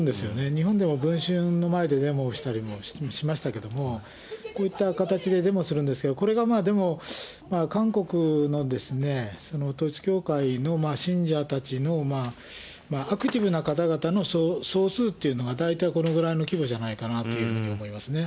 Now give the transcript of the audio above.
日本でも文春の前でデモをしたりもしましたけども、こういった形でデモをするんですけれども、これが韓国の統一教会の信者たちのアクティブな方々の総数というのが大体このぐらいの規模じゃないかなというふうに思いますね。